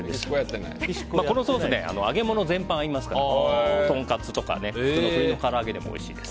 このソース揚げ物全般と合いますからとんかつとか、鶏のから揚げでもおいしいです。